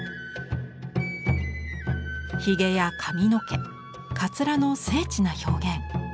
ひげや髪の毛かつらの精緻な表現。